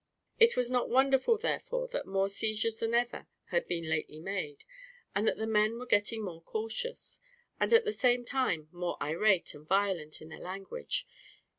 It was not wonderful therefore that more seizures than ever had been lately made, and that the men were getting more cautious, and at the same time more irate and violent in their language.